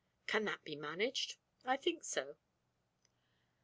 "Can that be managed?" "I think so."